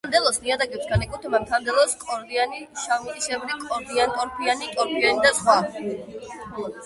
მთა-მდელოს ნიადაგებს განეკუთვნება მთა-მდელოს კორდიანი, შავმიწისებრი, კორდიან-ტორფიანი, ტორფიანი და სხვა.